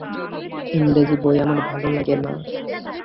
ইংরেজি বই আমার ভালো লাগে না।